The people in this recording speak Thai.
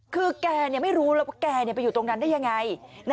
คือแกไม่รู้แกไปอยู่ตรงนั้นได้ยังไง